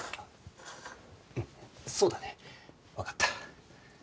うんそうだねわかった。